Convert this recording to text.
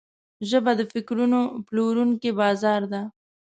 ژبه د فکرونو پلورونکی بازار ده